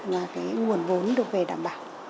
và cái nguồn vốn được về đảm bảo